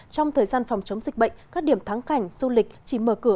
trong thời gian phòng chống dịch bệnh các điểm thắng cảnh du lịch chỉ mở cửa